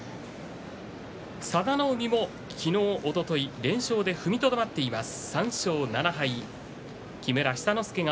佐田の海も昨日、おととい連勝で踏みとどまっています。